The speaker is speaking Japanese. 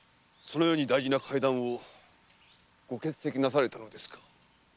そのように大事な会談をご欠席なされたのですか。